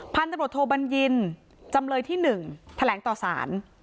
พันธุ์ตำรวจโทบัญญินจำเลยที่๑แถลงต่อสาร